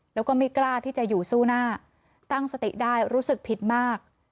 แล้วก็ไม่กล้าที่จะอยู่สู้หน้าตั้งสติได้รู้สึกผิดมาก